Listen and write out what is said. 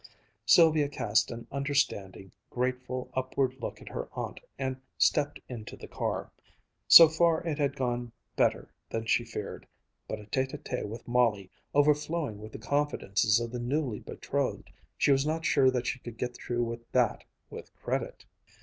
Sylvia cast an understanding, grateful upward look at her aunt and stepped into the car. So far it had gone better than she feared. But a tête à tête with Molly, overflowing with the confidences of the newly betrothed she was not sure that she could get through with that with credit.